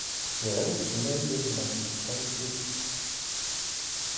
Եղել է քիմիայի և բնագիտության ուսուցիչ։